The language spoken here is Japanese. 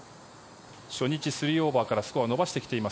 初日３オーバーから少しスコアを伸ばしてきています。